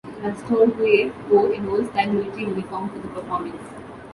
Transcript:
Rastorguyev wore an old-style military uniform for the performance.